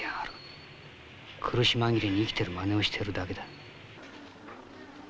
苦し紛れに生きてるまねをしてるだけだ。